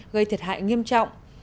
gây thiệt hại nghiêm trọng